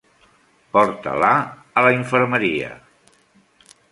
Porta-la a la infermeria.